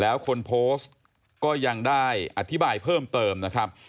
แล้วคนโพสต์ก็ยังได้อธิบายเพิ่มเติมนะครับ